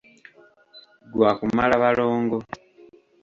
Gwa kumala balongo.